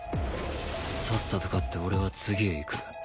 さっさと勝って俺は次へ行く。